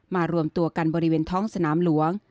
รวมตัวกันบริเวณท้องสนามหลวง